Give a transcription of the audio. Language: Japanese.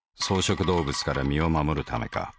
草食動物から身を護るためか。